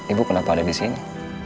ibu kenapa ada disini